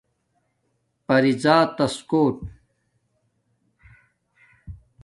پری زاتس کوٹ